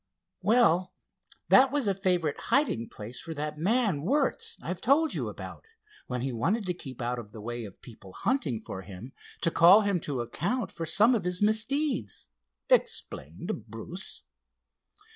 "Well, that was a favorite hiding place for that man Wertz I've told you about, when he wanted to keep out of the way of people hunting for him to call him to account for some of his misdeeds," explained Bruce.